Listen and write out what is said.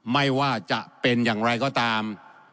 ไม่ว่าจะเป็นอย่างไรก็ตาม